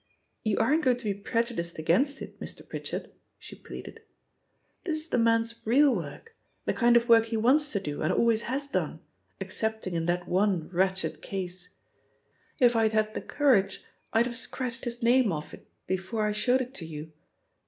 "You aren't going to be prejudiced against it, Mr. Pritchard?" she pleaded. "This is the man's real work — ^the kind of work he wants to do and always has done, excepting in that one wretched case. If I had had the courage, I'd have scratched his name off it before I showed it to you.